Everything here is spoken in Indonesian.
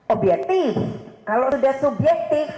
objektif kalau sudah subjektif